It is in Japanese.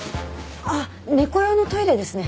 あっ猫用のトイレですね。